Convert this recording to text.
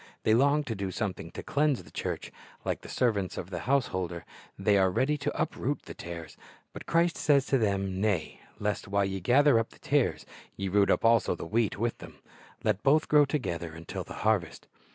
They long to do something to cleanse the church. Like the servants of the house holder, they are ready to uproot the tares. But Christ says to them, "Nay; lest while ye gather up the tares, ye root up also the wheat with them. Let both grow together until the harvest."